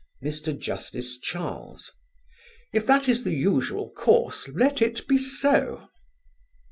Mr. Justice Charles: "If that is the usual course, let it be so."